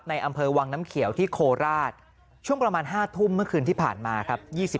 อำเภอวังน้ำเขียวที่โคราชช่วงประมาณ๕ทุ่มเมื่อคืนที่ผ่านมาครับ